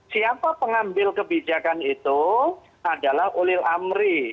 siapa pengambil kebijakan itu adalah ulil amri